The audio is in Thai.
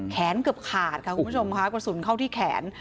เกือบขาดค่ะคุณผู้ชมค่ะกระสุนเข้าที่แขน